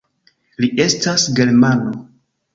Li estas germano.